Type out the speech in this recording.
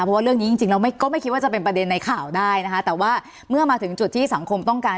เพราะว่าเรื่องนี้จริงเราก็ไม่คิดว่าจะเป็นประเด็นในข่าวได้นะคะแต่ว่าเมื่อมาถึงจุดที่สังคมต้องการ